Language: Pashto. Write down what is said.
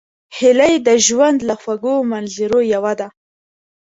هیلۍ د ژوند له خوږو منظرو یوه ده